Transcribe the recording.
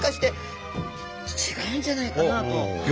違うんじゃないかなと。